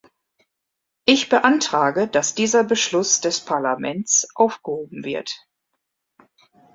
Ich beantrage, dass dieser Beschluss des Parlaments aufgehoben wird.